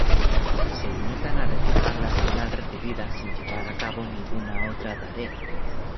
Se limitan a reflejar la señal recibida sin llevar a cabo ninguna otra tarea.